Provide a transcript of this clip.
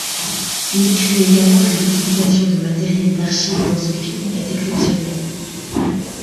Il écrit également que l’utilisation de matériel d’archives dans ce film est exceptionnelle.